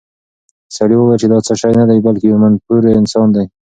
سړي وویل چې دا څه شی نه دی، بلکې یو منفور انسان دی.